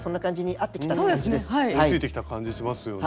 追いついてきた感じがしますよね。